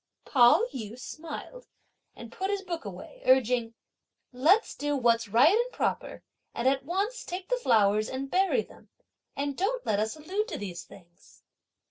Pao yü smiled and put his book away, urging: "Let's do what's right and proper, and at once take the flowers and bury them; and don't let us allude to these things!"